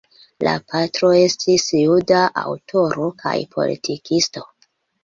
La patro estis juda aŭtoro kaj politikisto.